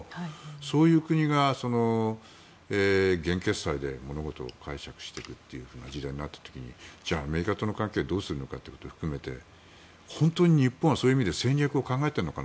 そういう国が元決済で物事を解釈していく時代になったときにじゃあ、アメリカとの関係をどうするのかというのを含めて本当に日本はそういう意味で戦略を考えているか。